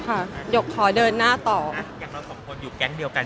หยกขอเดินหน้าต่ออย่างเราสองคนอยู่แก๊งเดียวกัน